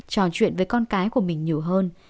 trò chuyện với con cái của mình nhiều hơn